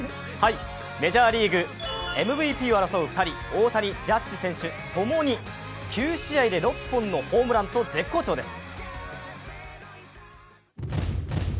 メジャーリーグ、ＭＶＰを争う２人、大谷、ジャッジ選手共に９試合で６本のホームランと絶好調です。